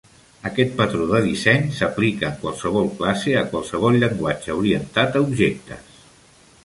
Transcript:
Aquesta patró de disseny s'aplica en qualsevol classe a qualsevol llenguatge orientat a objectes.